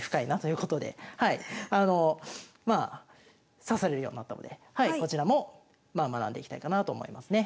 まあ指されるようになったのでこちらも学んでいきたいかなと思いますね。